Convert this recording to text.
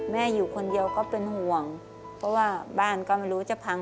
อยู่คนเดียวก็เป็นห่วงเพราะว่าบ้านก็ไม่รู้จะพัง